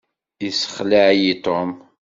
Yessexleɛ-iyi Tom.